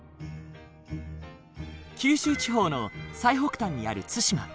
九州地方の最北端にある対馬。